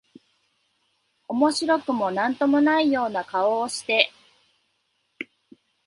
面白くも何とも無いような顔をして、